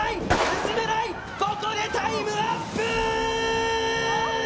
ここでタイムアップ！